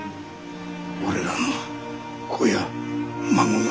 我らの子や孫が。